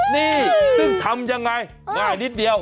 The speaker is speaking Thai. นี่ซึ่งทำยังไงง่ายนิดเดียว